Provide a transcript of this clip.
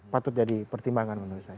patut jadi pertimbangan menurut saya